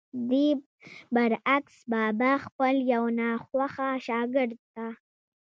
ددې برعکس بابا خپل يو ناخوښه شاګرد ته